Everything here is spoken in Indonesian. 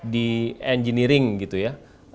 di engineering gitu ya